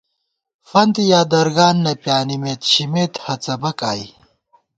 فنت یا درگان نہ پیانِمېت شمېت ہَڅَبَک آئی